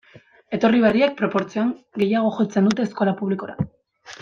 Etorri berriek, proportzioan, gehiago jotzen dute eskola publikora.